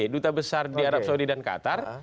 duta besar di arab saudi dan qatar